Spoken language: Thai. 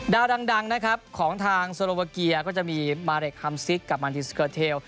ดังนะครับของทางโซโลวาเกียก็จะมีมาเรคฮัมซิกกับมันดิสเกอร์เทล